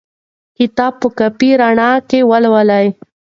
کتاب په کافي رڼا کې ولولئ.